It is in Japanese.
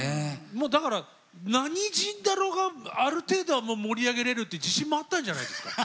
もうだから何人だろうがある程度はもう盛り上げれるって自信もあったんじゃないですか？